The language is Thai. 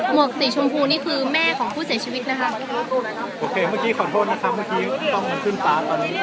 วกสีชมพูนี่คือแม่ของผู้เสียชีวิตนะคะโอเคเมื่อกี้ขอโทษนะครับเมื่อกี้กล้องมันขึ้นฟ้าตอนนี้